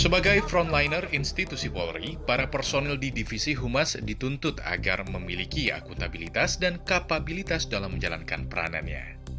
sebagai frontliner institusi polri para personil di divisi humas dituntut agar memiliki akuntabilitas dan kapabilitas dalam menjalankan peranannya